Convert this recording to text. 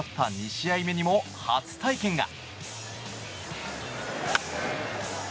２試合目にも初体験が。